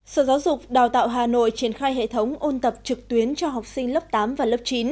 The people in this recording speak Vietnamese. sở giáo dục đào tạo hà nội triển khai hệ thống ôn tập trực tuyến cho học sinh lớp tám và lớp chín